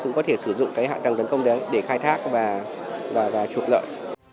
cũng có thể sử dụng cái hạ tầng tấn công đấy để khai thác và trục lợi